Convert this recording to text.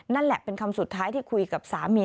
นั่นแหละเป็นคำสุดท้ายที่คุยกับสามี